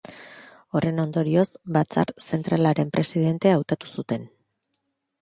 Horren ondorioz, Batzar Zentralaren presidente hautatu zuten.